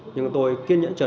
nhưng tôi kiên nhẫn chờ đợi